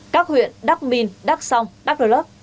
các huyện đắk minh đắk sông đắk lợp